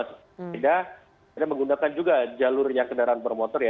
tidak kita menggunakan juga jalur yang kendaraan bermotor ya